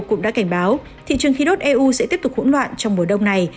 cũng đã cảnh báo thị trường khí đốt eu sẽ tiếp tục hỗn loạn trong mùa đông này